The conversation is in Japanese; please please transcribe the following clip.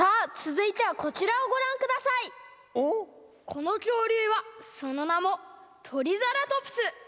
このきょうりゅうはそのなもトリザラトプス！